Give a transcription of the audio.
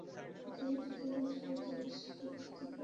একেকজনের জন্য চিকিৎসা পদ্ধতি ভিন্ন হতে পারে।